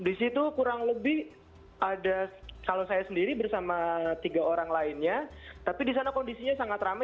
di situ kurang lebih ada kalau saya sendiri bersama tiga orang lainnya tapi di sana kondisinya sangat ramai